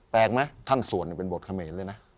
แปลกไหมท่านสวดเป็นบทเขมรเลยนะ